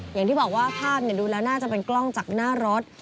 อย่างที่บอกว่าภาพดูแล้วน่าจะเป็นกล้องจากหน้ารถ